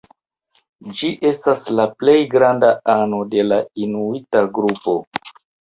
Ĝi estas la plej granda ano de la inuita grupo.